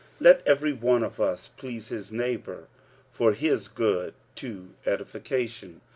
45:015:002 Let every one of us please his neighbour for his good to edification.